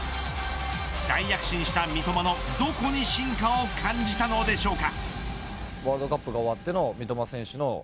大躍進した三笘のどこに進化を感じたのでしょうか。